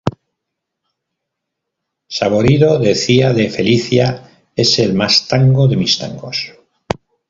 Saborido decía de "Felicia", "es el más tango de mis tangos".